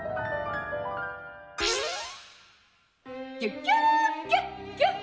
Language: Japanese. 「キュキュキュッキュッ！